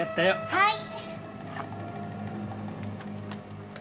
はい！